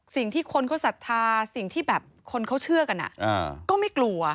สิ่งที่คนเขาศรัทธาสิ่งที่แบบคนเขาเชื่อกันก็ไม่กลัว